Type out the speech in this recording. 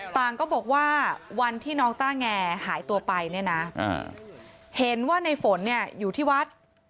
ต่างก็บอกว่าวันที่น้องต้าแง่หายตัวไปเห็นว่าในฝนอยู่ที่วัด